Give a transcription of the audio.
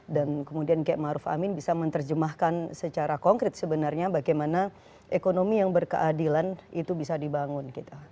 dan kemudian kiai ma'ruw amin bisa menerjemahkan secara konkret sebenarnya bagaimana ekonomi yang berkeadilan itu bisa dibangun